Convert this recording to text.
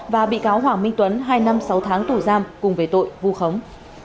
và bị cáo hoàng minh tuấn hai năm sáu tháng tù giam cùng về tội vu khống